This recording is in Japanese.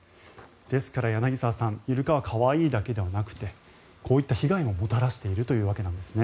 ですから、柳澤さんイルカは可愛いだけではなくてこういった被害ももたらしているというわけなんですね。